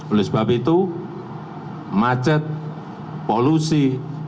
oleh sebab itu macet polusi